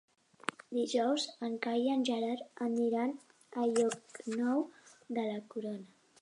Dijous en Cai i en Gerard aniran a Llocnou de la Corona.